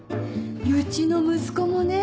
うちの息子もね